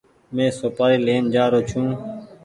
مينٚ سوپآري لين جآرو ڇوٚنٚ